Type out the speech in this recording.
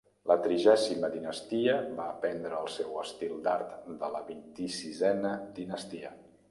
La trigèsima dinastia va prendre el seu estil d'art de la vint-i-sisena dinastia.